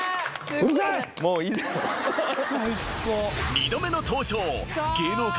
２度目の登場芸能界